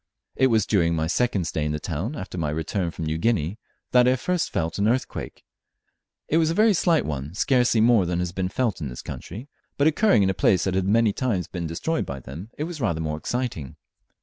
It was during my second stay in the town, after my return from New Guinea, that I first felt an earthquake. It was a very slight one, scarcely more than has been felt in this country, but occurring in a place that lad been many times destroyed by them it was rather more exciting.